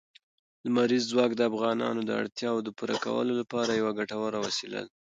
لمریز ځواک د افغانانو د اړتیاوو د پوره کولو لپاره یوه ګټوره وسیله ده.